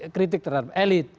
kritik terhadap elit